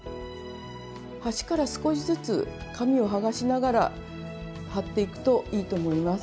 端から少しずつ紙を剥がしながら貼っていくといいと思います。